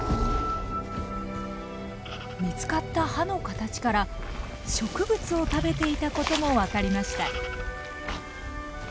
見つかった歯の形から植物を食べていたことも分かりました。